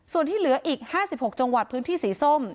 ส่วนที่เหลืออีก๕๖จังหวัดพื้นที่สีส้ม